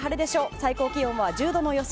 最高気温は１０度の予想。